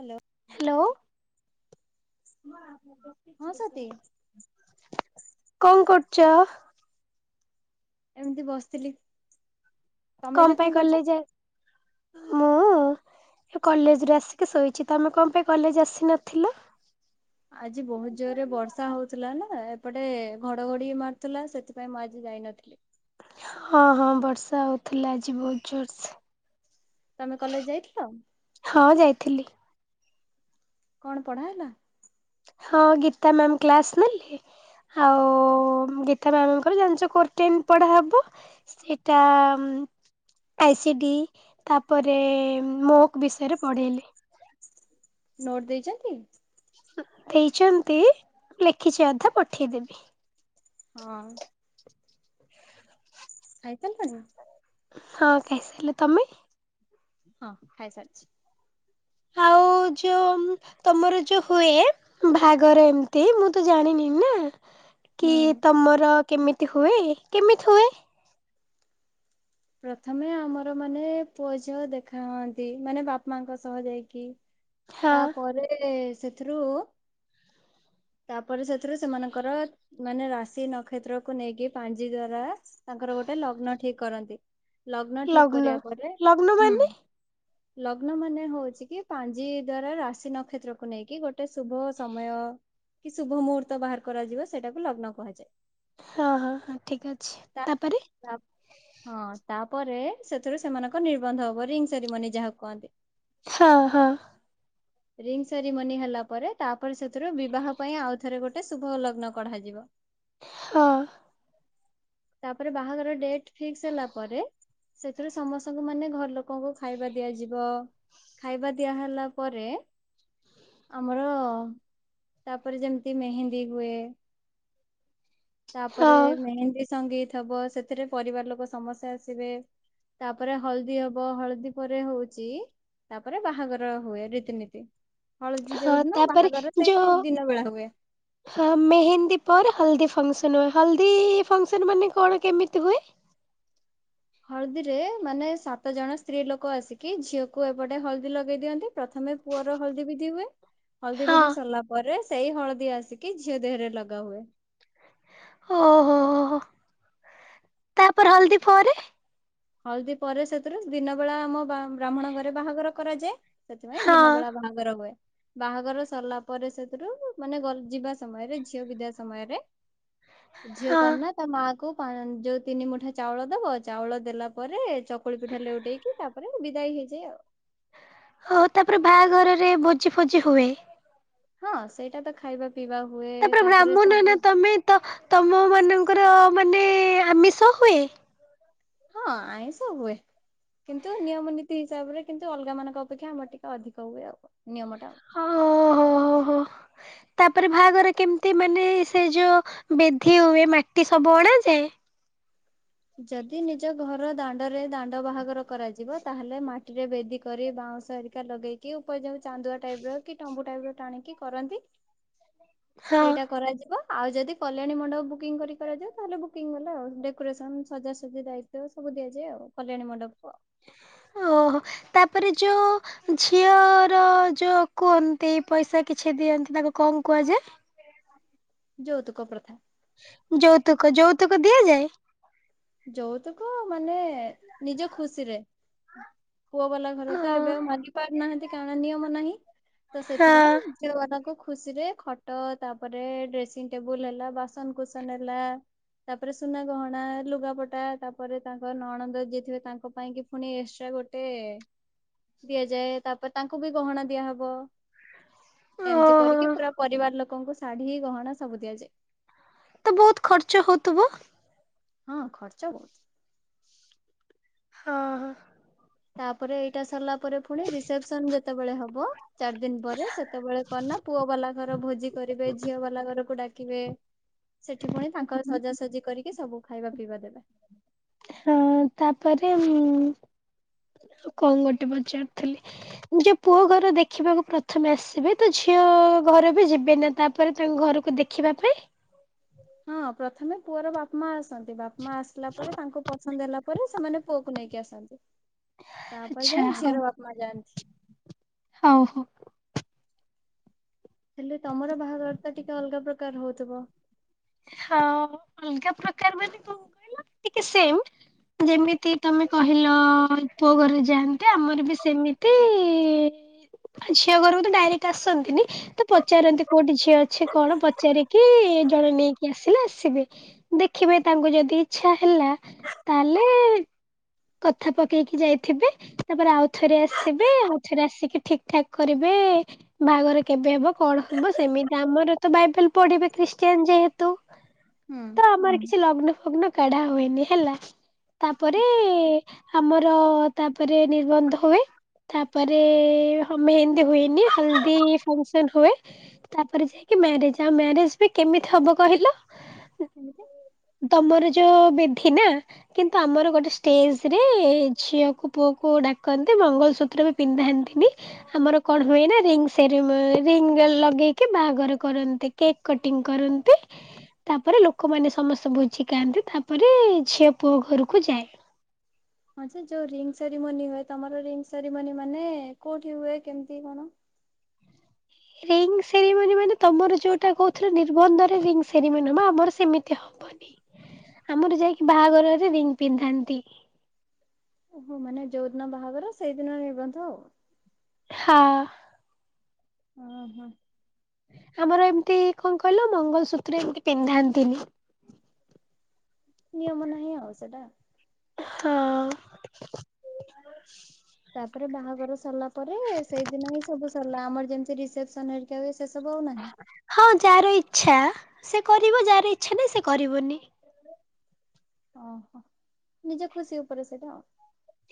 Hello. Hello. ହଁ ସତୀ କଣ କରୁଚ? ଏମତି ବସଥିଲି। କଣପାଇଁ କଲେଜ ଯା [inaudible] ହଁ ଏ କଲେଜରୁ ଆସିକି ଶୋଇଛି ତମେ କଣ ପାଇଁ କଲେଜ ଆସିନଥିଲ? ଆଜି ବହୁତ ଜୋରରେ ବର୍ଷା ହଉଥିଲା ନା ଏପଟେ ଘଡଘଡି ମାରଥିଲା ସେଥିପାଇଁ ମୁଁ ଆଜି ଯାଇନଥିଲି। ହଁ ହଁ ବର୍ଷା ହଉଥିଲା ଆଜି ବହୁତ ଜୋରସେ। ତମେ କଲେଜ ଯାଇଥିଲ? ହଁ ଯାଇଥିଲି। କଣ ପଢାହେଲା? ହଁ ଗୀତା ମ୍ୟାମ କ୍ଲାସ ନେଲେ। ଆଉ ଗୀତା ମ୍ୟାମଙ୍କର ଜାଣିଛ କୋର୍ଟେନ୍ ପଢ଼ାହବ। ସେଟା ଉଁ। ଆଇ ସି ଡି ତାପରେ ମୋକ୍ ବିଷୟରେ ପଢ଼େଇଲେ। ନୋଟ୍ ଦେଇଚନ୍ତି? ଦେଇଚନ୍ତି ଲେଖିଛି ଅଧା ପଠେଇଦେବି। ହଁ। ଖାଇସାରିଲଣି ନା? ହଁ ଖାଇସାଇଲି ତମେ? ହଁ ଖାଇସାରିଛି। ଆଉ ଯୋଉ। ତମର ଯୋଉ ହୁଏ ବାହାଗର ଏମତି ମୁଁ ତ ଜାଣିନି ନା। କି ହୁଁ ତମର କେମିତି ହୁଏ କେମିତି ହୁଏ? ପ୍ରଥମେ ଆମର ମାନେ ପୁଅ ଝିଅ ଦେଖା ହଅନ୍ତି ମାନେ ବାପା ମାଆଙ୍କ ସହ ଯାଇକି। ହଁ ତାପରେ ସେଥିରୁ। ତାପରେ ସେଥିରୁ ସେମାନଙ୍କର ମାନେ ରାଶି ନକ୍ଷେତ୍ରକୁୁ ନେଇକି ପାଞ୍ଜି ଦ୍ଵାରା। ତାଙ୍କର ଗୋଟେ ଲଗ୍ନ ଠିକ କରନ୍ତି ଲଗ୍ନ ଠିକ କରିବା ପରେ ଲଗ୍ନ ହୁଁ। ମାନେ ଲଗ୍ନ ମାନେ ହଉଛି କି ପାଞ୍ଜି ଦ୍ଵାରା ରାଶି ନକ୍ଷେତ୍ରକୁୁ ନେଇକି ଗୋଟେ ଶୁଭ ସମୟ। କି ଶୁଭ ମୁହୂର୍ତ୍ତ ବାହାର କରାଯିବ ସେଟାକୁ ଲଗ୍ନ କୁହାଯାଏ। ହଁ ହଁ ହଁ ଠିକ ଅଛି ତାପରେ? ତାପ ହଁ ତାପରେ ସେଥିରୁ ସେମାନଙ୍କ ନିର୍ବନ୍ଧ ହବ ରିଙ୍ଗ ସେରିମନି ଯାହା କହନ୍ତି। ହଁ ହଁ। ରିଙ୍ଗ ସେରିମନି ହେଲାପରେ ତାପରେ ସେଥିରୁ ବିବାହ ପାଇଁ ଆଉଥରେ ଗୋଟେ ଶୁଭଲଗ୍ନ କଢାଯିବ। ହଁ। ତାପରେ ବାହାଘର ଡେଟ୍ ଫିକ୍ସ ହେଲା ପରେ। ସେଥିରୁ ସମସ୍ତଙ୍କୁ ମାନେ ଘରଲୋକଙ୍କୁ ଖାଇବା ଦିଆଯିବ। ଖାଇବା ଦିଆହେଲା ପରେ। ଆମର ତାପରେ ଯେମତି ମେହେନ୍ଦୀ ହୁଏ। ତାପରେ ହଁ ମେହେନ୍ଦୀ ସଙ୍ଗୀତ୍ ହବ ସେଥିରେ ପରିବାରଲୋକ ସମସ୍ତେ ଆସିବେ। ତାପରେ ହଳଦୀ ହବ ହଳଦୀ ପରେ ହଉଛି ତାପରେ ବାହାଘର ହୁଏ ରୀତିନୀତି ହଳଦୀ ହଁ ଯୋଉଦିନ ତାପରେ ବାହାଘର ସେଇ ଯୋଉ ଦିନ ବେଳା ହୁଏ। ହଁ ମେହେନ୍ଦୀ ପରେ ହଳଦୀ ଫଙ୍କସନ ହୁଏ। ହଳଦୀ ଫଙ୍କସନ ମାନେ କଣ କେମିତି ହୁଏ? ହଳଦୀରେ ମାନେ ସାତ ଜଣ ସ୍ତ୍ରୀ ଲୋକ ଆସିକି ଝିଅକୁ ଏପଟେ ହଳଦୀ ଲଗେଇ ଦିଅନ୍ତି ପ୍ରଥମେ ପୁଅର ହଳଦୀ ବିଧି ହୁଏ। ହଳଦୀ ହଁ ବିଧି ସରିଲା ପରେ ସେଇ ହଳଦୀ ଆସିକି ଝିଅ ଦେହରେ ଲଗା ହୁଏ। ଓହୋ ହୋ ତାପରେ ହଳଦୀ ଫରେ ହଳଦୀ ପରେ ସେଥିରୁ ଦିନ ବେଳା ଆମ ବ୍ରାହ୍ମଣ ଘରେ ବାହାଘର କରାଯାଏ। ସେଥିପାଇଁ ହଁ ଦିନ ବେଳା ବାହାଘର। ର ହୁଏ। ବାହାଘର ସରିଲା ପରେ ସେଥିରୁ ମାନେ ଗ ଯିବା ସମୟରେ ଝିଅ ବିିଧା ସମୟରେ ଝିଅ ହଁ କନ ନା ତା ମା କୁ ଯୋଉ ତିନି ମୁଠା ଚାଉଳ ଦବ ଚାଉଳ ଦେଲା ପରେ ଚକୁଳି ପିଠା ଲେଉଟେଇକି ତାପରେ ବିଦାୟ ହେଇଯାଏ ଆଉ। ହଉ ତାପରେ ବାହାଘରରେ ଭୋଜି ଫୋଜି ହୁଏ। ହଁ ସେଇଟା ତ ଖାଇବା ପିଇବା ହୁଏ ତାପରେ ବ୍ରାହ୍ମଣ ନା ସବୁ ତମେ ତ ତମ ମାନଙ୍କର ମାନେ ଆମିଷ ହୁଏ। ହଁ ଆଇଁଷ ହୁଏ। କିନ୍ତୁ ନିୟମ ନୀତି ହିସାବରେ କିନ୍ତୁ ଅଲଗା ମାନଙ୍କ ଅପେକ୍ଷା ଆମର ଟିକେ ଅଧିକ ହୁଏ ଆଉ ନିୟମ ଟା। ହଁ ହୋ ହ ହୋ। ତାପରେ ବାହାଘର କେମିତି ମାନେ ସେ ଯୋଉ ବେଧି ହୁଏ ମାଟି ସବୁ ଅଣାଯାଏ। ଯଦି ନିଜ ଘର ଦାଣ୍ଡରେ ଦାଣ୍ଡ ବାହାଘର କରାଯିବ ତାହେଲେ ମାଟିରେ ବେଦି କରି ବାଉଁଶ ହେରିକା ଲଗେଇକି ଉପ ଯାଉ ଚାନ୍ଦୁଆ ଟାଇପ ର କି ଟମ୍ବୁ ଟାଇପ ର ଟାଣିକି କରନ୍ତି ହଁ ସେଇଟା କରାଯିବ। ଆଉ ଯଦି କଲ୍ୟାଣୀ ମଣ୍ଡପ ବୁକିଂ କରି କରାଯିବ ତାହେଲେ ବୁକିଂ ଗଲା ଆଉ ଡେକୋରେସନ ସଜାସଜି ଦାୟିତ୍ଵ ସବୁ ଦିଆଯାଏ ଆଉ କଲ୍ୟାଣୀ ମଣ୍ଡପକୁ ଆଉ। ଓହୋ ତାପରେ ଯୋ ଝିଅର ଯୋଉ କୁହନ୍ତି ପଇସା କିଛି ଦିଅନ୍ତି ତାଙ୍କୁ କଣ କୁହାଯାଏ? ଯୌତୁକ ପ୍ରଥା। ଯୌତୁକ। ଯୌତୁକ ଦିଆଯାଏ? ଯୌତୁକ ମାନେ ନିଜ ଖୁସିରେ। ପୁଅ ବାଲା ଘର ତ ହଁ ଏବେ ଆଉ ମାଗି ପାରୁନାହାନ୍ତି କାରଣ ନିୟମ ନାହିଁ ତ ସେଥିପାଇଁ। ହଁ ଝିଅମାନଙ୍କୁ ଖୁସି ରେ ଖଟ ତାପରେ ଡ୍ରେସିଂ ଟେବୁଲ ହେଲା ବାସନକୁସନ ହେଲା। ତାପରେ ସୁନା ଗହଣା ଲୁଗା ପଟା ତାପରେ ତାଙ୍କ ନଣନ୍ଦ ଯିଏ ଥିବେ ତାଙ୍କ ପାଇଁ କି ପୁଣି ଏକ୍ସଟ୍ରା ଗୋଟେ ଦିଆଯାଏ। ତାପରେ ତାଙ୍କୁ ବି ଗହଣା ଦିଆହବ। ଏମିତି ଓହୋ କରିକି ପୁରା ପରିବାର ଲୋକଙ୍କୁ ଶାଢ଼ୀ ଗହଣା ସବୁ ଦିଆଯାଏ। ତ ବହୁତ ଖର୍ଚ୍ଚ ହଉଥିବ। ହଁ ଖର୍ଚ୍ଚ ବହୁତ। ହଁ। ତାପରେ ଏଇଟା ସରିଲା ପରେ ପୁଣି ରିସେପସନ ଯେତେବେଳେ ହବ ଚାରି ଦିନ ପରେ ସେତେବେଳେ କଣ ନା ପୁଅ ବାଲା ଘର ଭୋଜି କରିବେ ଝିଅ ବାଲା ଘରକୁ ଡାକି ବେ ସେଠି ପୁଣି ତାଙ୍କ ସଜାସଜି କରିକି ସବୁ ଖାଇବା ପିଇବା ଦେବେ। ହଁ ତାପରେ ଉ କଣ ଗୋଟେ ପଚାରୁଥିଲି। ନିଜ ପୁଅ ଘର ଦେଖିବାକୁ ପ୍ରଥମେ ଆସିବେ ତ ଝିଅ ଘର ବି ଯିବେ ନା ତାପରେ ତାଙ୍କ ଘରକୁ ଦେଖ ଖିବା ପାଇଁ। ହଁ ପ୍ରଥମେ ପୁଅର ବାପ ମା ଆସନ୍ତି ବାପ ମା ଆସିଲା ପରେ ତାଙ୍କୁ ପସନ୍ଦ ହେଲା ପରେ ସେମାନେ ପୁଅକୁ ନେଇକି ଆସନ୍ତି ତାପରେ ଆଚ୍ଛା ଯାଇ ହଉ ଝିଅର ବାପା ମା ଯାଆନ୍ତି। ହଉ ହଉ। ହେଲେ ତମର ବାହାଘରଟା ଟିକେ ଅଲଗା ପ୍ରକାର ହଉଥିବ। ହଁ ଅଲଗା ପ୍ରକାର ମାନେ କଣ କହିଲ ଟିକେ ସେମ୍ ଯେମିତି ତମେ କହିଲ ପୁଅ ଘରେ ଯାଆନ୍ତି ଆମର ବି ସେମିତି ଆଉ ଝିଅ ଘରକୁ ତ ଡାଇରେକ୍ଟ ଆସନ୍ତିନି ତ ପଚାରନ୍ତି କୋଉଠି ଝିଅ ଅଛି କଣ ପଚାରିକି ଏ ଜଣେ ନେଇକି ଆସିଲେ ଆସିବେ ଦେଖିବେ ତାଙ୍କୁ ଯଦି ଇଚ୍ଛା ହେଲା ତାହେଲେ କଥା ପକେଇକି ଯାଇଥିବେ ତାପରେ ଆଉଥରେ ଆସିବେ ଆଉଥରେ ଆସିକି ଠିକ୍ ଠାକ୍ କରିବେ ବାହାଘର କେବେ ହବ କଣ ହବ ସେମିତି ଆମର ତ ବାଇବେଲ ପଢିବେ ଖ୍ରୀଷ୍ଟିଆନ ଯେହେତୁ ହୁଁ ତ ଆମର କିଛି ଲଗ୍ନ ଫଗ୍ନ କାଢା ହୁଏନି ହେଲା ତାପରେ ଏ ଆମର ତାପରେ ନିର୍ବନ୍ଧ ହୁଏ ତାପରେ ହ ମେହେନ୍ଦୀ ହୁଏନି ହଲଦୀ ଫଙ୍କସନ ହୁଏ ତାପରେ ଯାଇକି ମ୍ୟାରେଜ ଆଉ ମ୍ୟାରେଜ ବି କେମିତି ହବ କହିଲ? କେମିତି? ତମର ଯୋଉ ବିଧି ନା କିନ୍ତୁ ଆମର ଗୋଟେ ଷ୍ଟେଜ ରେ ଝିଅକୁ ପୁଅକୁ ଡାକନ୍ତି ମଙ୍ଗଳସୂତ୍ର ପିନ୍ଧାନ୍ତିନି ଆମର କଣ ହୁଏ ନା ରିଙ୍ଗ୍ ସେରି ରିଙ୍ଗ୍ ଲଗେଇକି ବାହାଘର କରନ୍ତି। କେକ୍ କଟିଂ କରନ୍ତି ତାପରେ ଲୋକମାନେ ସମସ୍ତେ ଭୋଜି ଖାଆନ୍ତି ତାପରେ ଝିଅ ପୁଅ ଘରକୁ ଯାଏ। ହଁ ଯେ ଯୋଉ ରିଙ୍ଗ୍ ସେରିମନି ହୁଏ ତମର ରିଙ୍ଗ୍ ସେରିମନି ମାନେ କୋଉଠି ହୁଏ କେମିତି କଣ? ରିଙ୍ଗ୍ ସେରିମନି ମାନେ ତମର ଯୋଉଟା କହୁଥିଲ ନିର୍ବନ୍ଧରେ ରିଙ୍ଗ୍ ସେରିମନି ହବ ଆମର ସେମିତି ହ ଆମର ଯାଇକି ବାହାଘରରେ ରିଙ୍ଗ୍ ପିନ୍ଧାନ୍ତି। ଓହୋ ମାନେ ଯୋଉଦିନ ବାହାଘର ସେଇଦିନ ର୍ନିବନ୍ଧ ଆଉ। ହଁ ଓ ହ ଆମର ଏମିତି କଣ କହିଲ ମଙ୍ଗଳସୂତ୍ର ଏମିତି ପିନ୍ଧାନ୍ତିନି। ନିୟମ ନାହିିଁ ଆଉ ସେଟା। ହଁ ତାପରେ ବାହାଘର ସରିଲା ପରେ ସେଇଦିନ ହିଁ ସବୁ ସରିଲା ଆମର ଯେମତି ରିସେପସ୍ ଆମେରିକାରେ ସେସବୁ ଆଉ ନାହିଁ। ହଁ ଯାହାର ଇଚ୍ଛା ସେ କରିବ ଯାହାର ଇଚ୍ଛା ନାହିଁ ସେ କରିବନି। ଓହୋ! ନିଜ ଖୁସି ଉପରେ ସେଇଟା ଆଉ।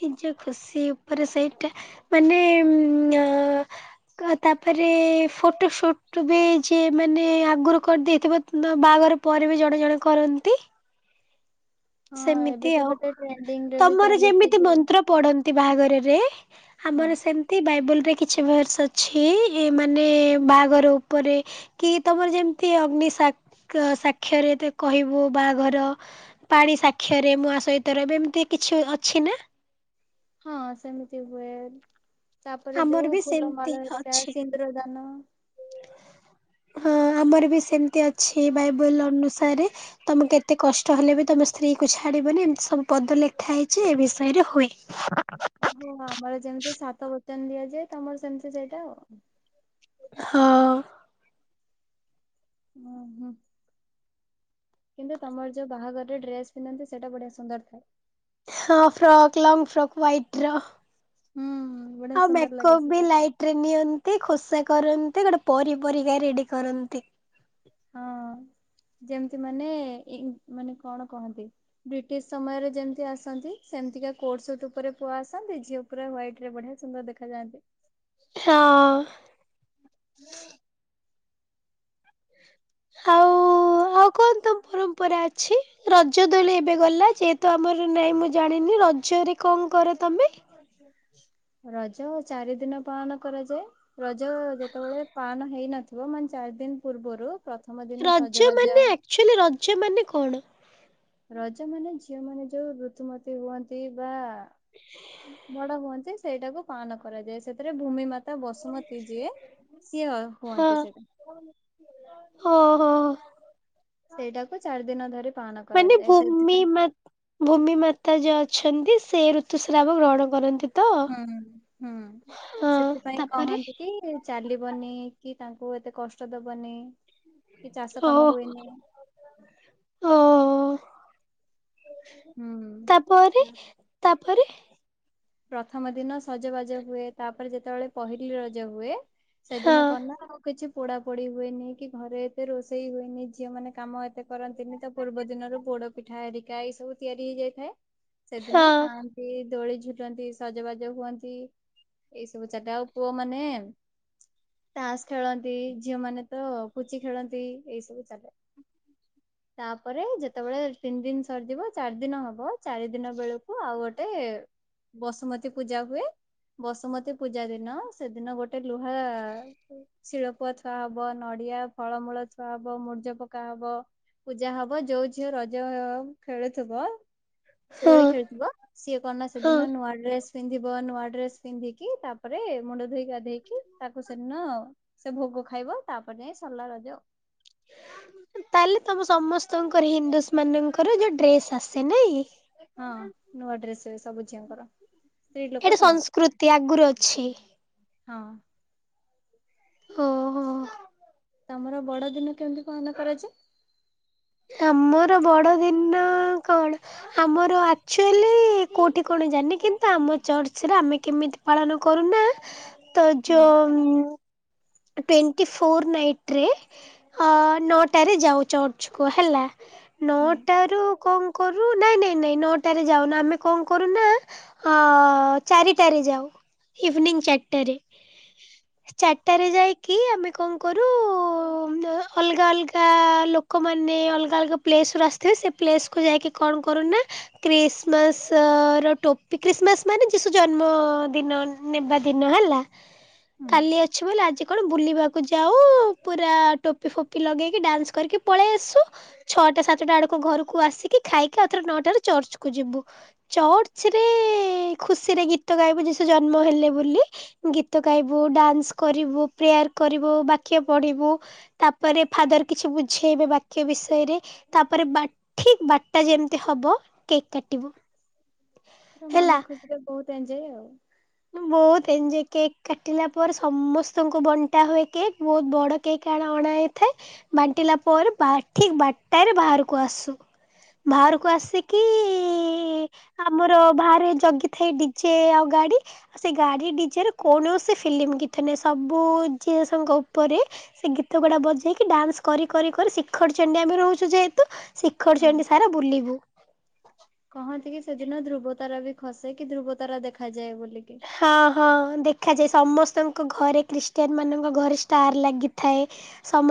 ନିଜ ଖୁସି ଉପରେ ସେଇଟା ମାନେ ଉଁ ଆ ତାପରେ ଫଟୋ ସୁଟ ବି ଯିଏ ମାନେ ଆଗରୁ କରିଦେଇଥିବ ତ ବାହାଘର ପରେ ବି ଜଣେ ଜଣେ କରନ୍ତି। ହଁ ଏବେ ସେମିତି ତ ଆଉ ଗୋଟେ ଟ୍ରେଣ୍ଡିଙ୍ଗରେ ବି ତମର ଚାଲିଛି ଯେମିତି ଯୋଉ ମନ୍ତ୍ର ପଢନ୍ତି ବାହାଘରରେ ହଁ ଆମର ସେମ୍ ତି ବାଇବେଲରେ କିଛି ଭର୍ସ ଅଛି ଇ ମାନେ ବାହାଘର ଉପରେ କି ତମର ଯେମିତି ଅଗ୍ନି ସାକ୍ ସାକ୍ଷରେ କହିବୁ ବାହାଘର ପାଣି ସାକ୍ଷରେ ମୁଁ ଆ ସହିତ ରହିବି ଏମିତି କିଛି ଅଛି ନା? ହଁ ସେମିତି ହୁଏ। ତାପରେ ଆମର ଯୋଉ ବି ସେମିତି ଫୁଲମାଳ ହେରିକା, ଅଛି। ସିନ୍ଦୁରଦାନ। ହଁ ଆମର ବି ସେମିତି ଅଛି ବାଇବଲ ଅନୁସାରେ ତମେ କେତେ କଷ୍ଟ ହେଲେ ବି ତମେ ସ୍ତ୍ରୀ କୁ ଛାଡିବନି ଏମିତି ସବୁ ପଦ ଲେଖା ହେଇଛି ଏ ବିଷୟରେ ହୁଏ। ଓହୋ ଆମର ଯେମିତି ସାତ ବଚନ ଦିଆଯାଏ ତମର ସେମିତି ସେଇଟା ଆଉ। ହଁ। ହୁଁ ହୁଁ। କିନ୍ତୁ ତମର ଯୋଉ ବାହାଘର ଡ୍ରେସ ପିନ୍ଧନ୍ତି ସେଟା ବଢିଆ ସୁନ୍ଦର ଥାଏ। ହଁ ଫ୍ରକ୍ ଲଙ୍ଗ ସବୁ ୱାଇଟ୍ ର। ହୁଁ। ବଢିଆ ଆଉ ସୁନ୍ଦର ମେକପ ଲାଗେ ବି ସେଇଟା। ଲାଇଟ୍ ତ୍ରୀନିଅନ୍ତି, ଖୋସା କରନ୍ତି ଗୋଟେ ପରି ପରିକା ରେଡି କରନ୍ତି। ହଁ ଯେମିତି ମାନେ ଇଙ୍ଗ ମାନେ କଣ କହନ୍ତି? ବ୍ରିଟିଶ ସମୟରେ ଯେମିତି ଆସନ୍ତି ସେମିତିକା କୋଟ ସୁଟ ଉପରେ ପୁଅ ଆସନ୍ତି। ଝିଅ ପୁରା ହ୍ୱାଇଟ ରେ ବଢିଆ ସୁନ୍ଦର ଦେଖାଯାନ୍ତି। ହଁ। ଆଉ ହଉ କୁହନ୍ତୁ ପରମ୍ପରା ଅଛି। ରଜ ଦୋଳି ଏବେ ଗଲା ଯେହେତୁ ଆମର ନାଇଁ ମୁଁ ଜାଣିନି ରଜରେ କଣ କର ତମେ? ରଜ ଚାରି ଦିନ ପାଳନ କରାଯାଏ। ରଜ ଯେତେବେଳେ ପାଳନ ହେଇନଥିବ ମାନେ ଚାରି ଦିନ ପୂର୍ବରୁ ପ୍ରଥମ ଦିନ ରଜ ସଜବାଜ ମାନେ ଆକ୍ଚୁଆଲି ରଜ ମାନେ କଣ? ରଜ ମାନେ ଝିଅ ମାନେ ଯୋଉ ଋତୁମତୀ ହୁଅନ୍ତି ବା ବଡ ହୁଅନ୍ତି ସେଇଟାକୁ ପାଳନ କରାଯାଏ। ସେଥିରେ ଭୂମି ମା ତା ବସୁମତୀ ଯିଏ ସିଏ ହୁଅନ୍ତି ସେଇଟା। ହଁ ହଁ। ସେଇଟାକୁ ଚାରି ଦିନ ଧରି ପାଳନ ମାନେ କରାଯାଏ ଭୂମି ସେଥିପାଇଁ ମା ଭୂମି ମାତା ଯିଏ ଅଛନ୍ତି ସେ ଋତୁସ୍ରାବ ଗ୍ରହଣ କରନ୍ତି। ତ? ହୁଁ ହୁଁ ହଁ ସେଥିପାଇଁ ତାପରେ କହନ୍ତି କି ଚାଲିବନି କି, ତାଙ୍କୁ ଏତେ କଷ୍ଟ ଦବନି, କି ଚାଷ କାମ ହୁଏନି। ଓହୋ। ହୁଁ ହୁଁ। ତାପରେ ତାପରେ ପ୍ରଥମ ଦିନ ସଜବାଜ ହୁଏ। ତାପରେ ଯେତେବେଳେ ପହଲି ରଜ ହୁଏ ହଁ ସେଦିନ କଣ ନା ଆଉ କିଛି ପୋଡ଼ାପୋଡ଼ି ହୁଏନି, କି ଘରେ ଏତେ ରୋଷେଇ ହୁଏନି, ଝିଅମାନେ କାମ ଏତେ କରନ୍ତିନି। ତା ପୂର୍ବ ଦିନରୁ ପୋଡ଼ ପିଠା ହେରିକା ଏଇ ସବୁ ତିଆରି ହେଇଯାଇଥାଏ। ସେଦିନ ହଁ ଖାଆନ୍ତି ଦୋଳି ଝୁଲି ନ୍ତି ସଜବାଜ ହୁଅନ୍ତି ଏଇ ସବୁ ଚାଲେ। ଆଉପୁଅ ମାନେ ତାସ ଖେଳନ୍ତି, ଝିଅ ମାନେ ତ ପୁଚି ଖେଳନ୍ତି ଏଇ ସବୁ ଚାଲେ। [inaudible] ତାପରେ ଯେତେବେଳେ ତିନି ଦିନି ସରିଯିବ ଚାରି ଦିନ ହବ ଚାରି ଦିନ ବେଳକୁ ଆଉ ଗୋଟେ ବସୁମତୀ ପୂଜା ହୁଏ। ବସୁମତୀ ପୂଜା ଦିନ ସେଦିନ ଗୋଟେ ଲୁହା ଶିଳପୁଆ ଥୁଆ ହବ, ନଡିଆ ଫଳମୂଳ ଥୁଆ ହବ, ମୂର୍ଜ ପକା ହବ ପୂଜା ହବ। ଯୋଉ ଝିଅ ରଜ ଖେଳୁଥିବ ହଁ ଦୋଳି ଖେଳୁଥିବ ସିଏ କଣନା ସେ ହଁ। ନୂଆ ଡ୍ରେସ୍ ପିନ୍ଧିବ ନୂଆ ଡ୍ରେସ୍ ପିନ୍ଧିକି ତାପରେ ମୁଣ୍ଡ ଧୋଇ ଗାଧେଇକି ତାକୁ ସେଦିନ ସେ ଭୋଗ ଖାଇବ ତାପରେ ଯାଇ ସରିଲା ରଜ। ତାହେଲେ ତମ ସମସ୍ତଙ୍କର ହିନ୍ଦୁସ୍ ମାନଙ୍କର ଯୋଉ ଡ୍ରେସ୍ ଆସେ ନାଇଁ କି? ହଁ ନୂଆ ଡ୍ରେସେସ୍ ସବୁ ଝିଅଙ୍କର। ସ୍ତ୍ରୀ ଲୋକ ଏଟା ସମସ୍ତେ ସଂସ୍କୃତି ଆଗରୁ ଅଛି। ହଁ। ଓ ହୋ। ତମର ବଡ ଦିନ କେମିତି ପାଳନ କରାଯାଏ? ଆମର ବଡ ଦିନ କଣ? ଆମର ଆକ୍ଚୁଆଲି କୋଉଠି କଣ ଜାଣିନି କିନ୍ତୁ ଆମ ଚର୍ଚ୍ଚରେ ଆମେ କେମିତି ପାଳନ କରୁନା, ତ ହୁଁ ଯଉମ୍-ମ୍ ଟ୍ୱେଣ୍ଟି ଫୋର୍ ନାଇଟ୍ ରେ। ହଁ ନଅଟାରେ ଯାଉ ଚର୍ଚ୍ଚ କୁ ହେଲା ହୁଁ ନଅଟା ରୁ କଣ କରୁ ନାଇଁ- ନାଇଁ- ନାଇଁ ନଅଟାରେ ଯାଉନା ଆମେ କଣ କରୁନା। ହ-ଅ-ଅ ଚାରିଟାରେ ଯାଉ ଇଭିନିଂ ଚାରିଟାରେ। ଟାରେ ଯାଇକି ଆମେ କଣ କରୁ ଉ-ଉ-ଉ-ଉ ଅଲଗା ଅଲଗା ଲୋକମାନେ ଅଲଗା ଅଲଗା ପ୍ଲେସ୍ରୁ ଆସିଥିବେ, ସେ ପ୍ଲେସ୍କୁ ଯାଇକି କଣ କରୁନା। ଖ୍ରୀଷ୍ଟମାସ୍ ର ଟୋପି ଖ୍ରୀଷ୍ଟମାସ୍ ମାନେ ଯିସୁ ଜନ୍ମ ଦିନ ନେବା ଦିନ ହେଲା। [inaudible] ହୁଁ। କାଲି ଅଛ୍ କହିଲେ ଆଜି କଣ ବୁଲିବାକୁ ଯାଉ ପୁରା ଟୋପି ଫୋପି ଲଗେଇକି ଡ୍ୟାନ୍ସ୍ କରିକି ପଳେଇ ଆସୁ। ଛଅଟା ସାତଟା ଆଡକୁ ଘରକୁ ଆସିକି ଖାଇକି ଆଉଥରେ ନଅଟାରେ ଚର୍ଚ୍ଚକୁୁ ଯିବୁ। ଚର୍ଚ୍ଚ ରେ ଖୁସିରେ ଗୀତ ଗାଇବୁ ଯିଶୁ ଜନ୍ମ ହେଲେ ବୋଲି। ଗୀତ ଗାଇବୁ ଡାନ୍ସ୍ କରିବୁ, ପ୍ରେୟାର କରିବୁ, ବାକ୍ୟ ପଢିବୁ। ତାପରେ ଫାଦର୍ କିଛି ବୁଝେଇବେ ବାକ୍ୟ ବିଷୟରେ। ତାପରେ ବା ଠିକ୍ ବାର୍ ଟା ଯେମିତି ହବ କେକ୍ କାଟିବୁ। ମନ ଖୁସିରେ ବହୁତ୍ କତାଇଜାଏ ଆଉ। ବୋହୁତ୍ ଏଜ୍ କେକ୍ କାଟିଲା ପରେ ସମସ୍ତଙ୍କୁ ବଣ୍ଟା ହୋଇକି ବୋହୁତ୍ ବଡ। କେହି କାଣ ଅଣା ହୋଇଥାଏ ବାଣ୍ଟିଲା ପରେ ବା ଠିକ୍ ବାରଟାରେ ବାହାରକୁ ଆସୁ। ବାହାରକୁ ଆସିକି-ଇ-ଇ-ଇ-ଇ-ଇ ଆମର ବାହାରେ ଜଗି ଥାଏ ଡିଜେ ଆଉ ଗାଡି। ସେ ଗାଡି ଡିଜର କୌଣସି ଫିଲ୍ମି କିଥନ ସବୁ ଜିନଷଙ୍କ ଉପରେ ସେ ଗୀତ ଗୁଡ଼ା ବଜେଇକି ଡ୍ୟାନ୍ସ କରି କରି କରି ଶିଖରଚଣ୍ଡୀ ଆମେ ରହୁଛୁ ଯେହେତୁ। ଶିଖରୁ ସେ ହୁଁ। ଏ ସାରା ବୁଲିବୁ। କହନ୍ତି କି ସେଦିନ ଧ୍ରୁବତାରା ବି ଖ। ସେ କି ଧ୍ରୁବତାରା ଦେଖାଯାଏ ବୋଲିକି ହଁ -ହଁ ଦେଖାଯାଏ ସମସ୍ତଙ୍କ ଘରେ ଖ୍ରୀଷ୍ଟିଆନ୍ ମାନଙ୍କ ଘରେ ଷ୍ଟାର୍ ଲାଗିଥାଏ। ସମସ୍